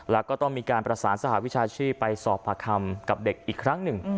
แล้วก็ต้องมีการประสานสหวิชาชีพไปสอบประคำกับเด็กอีกครั้งหนึ่ง